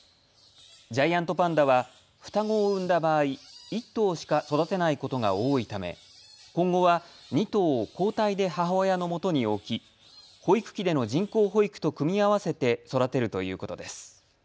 ジャイアントパンダは双子を産んだ場合、１頭しか育てないことが多いため今後は２頭を交代で母親のもとに置き保育器での人工保育と組み合わせて育てるということです。